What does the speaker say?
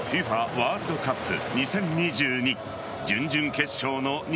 ワールドカップ２０２２